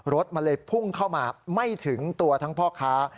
รถมันเลยพุ่งเข้ามาไม่ถึงตัวทั้งพ่อค้า